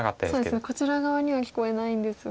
そうですねこちら側には聞こえないんですが。